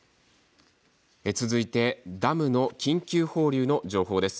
続いてダムの緊急放流の情報です。